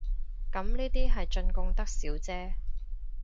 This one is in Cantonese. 咁呢啲係進貢得少姐